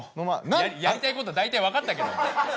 やりたいことは大体分かったけども。